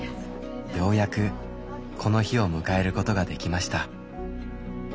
ようやくこの日を迎えることができました。